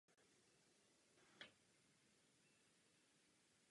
Producentem alba byl Buddy Cannon.